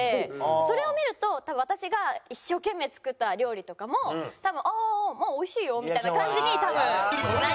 それを見ると多分私が一生懸命作った料理とかも多分「ああまあおいしいよ」みたいな感じになりそう。